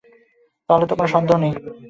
তাহার তো কোনো সন্দেহমাত্র নাই।